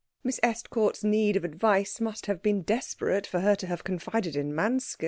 Miss Estcourt's need of advice must have been desperate for her to have confided in Manske.